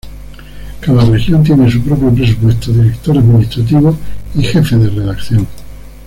Cada región tiene su propio presupuesto, director administrativo y jefe de redacción.